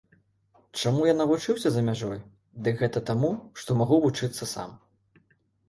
Чаму я навучыўся за мяжой, дык гэта таму, што магу вучыцца сам.